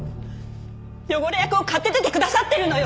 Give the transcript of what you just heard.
汚れ役を買って出てくださってるのよ！